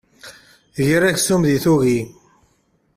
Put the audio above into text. Ger aksum deg tuggi.